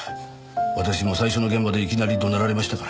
私も最初の現場でいきなり怒鳴られましたから。